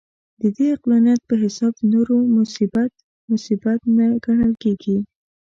د دې عقلانیت په حساب د نورو مصیبت، مصیبت نه ګڼل کېږي.